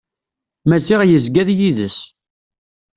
Maziɣ yezga d yid-s.